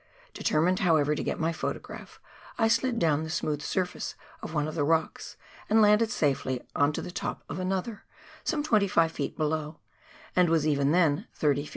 Determined, however, to get my photograph, I slid down the smooth surface of one of the rocks, and landed safely on to the top of another, some 25 ft. below, and was even then 30 ft.